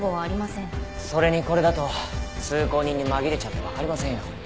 それにこれだと通行人に紛れちゃってわかりませんよ。